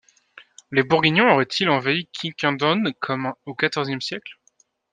Les Bourguignons auraient-ils envahi Quiquendone comme au quatorzième siècle !